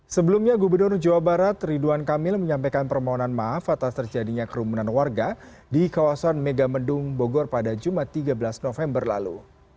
sebelumnya gubernur jawa barat ridwan kamil menyampaikan permohonan maaf atas terjadinya kerumunan warga di kawasan megamendung bogor pada jumat tiga belas november lalu